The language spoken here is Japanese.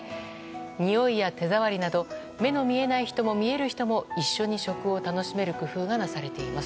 においや手触りなど目の見えない人も見える人も一緒に食を楽しめる工夫がなされています。